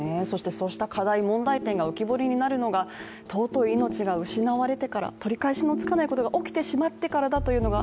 そうした課題、問題点が浮き彫りになるのが尊い命が失われてから、取り返しのつかないことが起きてしまってからだということが